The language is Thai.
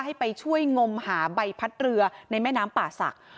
ให้ไปช่วยงมหาใบพัดเรือในแม่น้ำป่าศักดิ